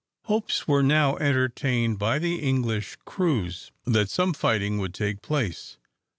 Hopes were now entertained by the English crews that some fighting would take place.